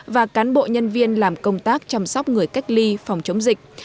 và cán bộ nhân viên làm công tác chăm sóc người cách ly phòng chống dịch